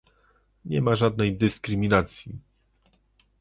Nie ma żadnej dyskryminacji